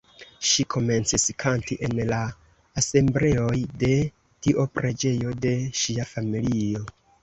Ŝi komencis kanti en la Asembleoj de Dio preĝejo de ŝia familio.